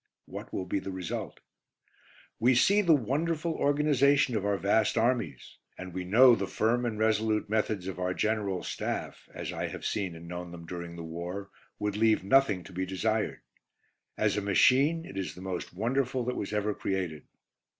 What will be the result? We see the wonderful organisation of our vast armies, and we know the firm and resolute methods of our General Staff as I have seen and known them during the war would leave nothing to be desired. As a machine, it is the most wonderful that was ever created.